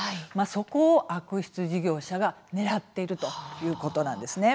そこを悪質事業者が狙っているということなんですね。